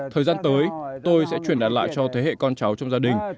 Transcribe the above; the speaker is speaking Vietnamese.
thời gian tới tôi sẽ truyền đạt lại cho thế hệ con cháu trong gia đình